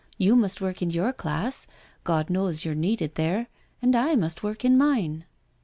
You must work in your class, God knows you're needed there, and I must work in mine."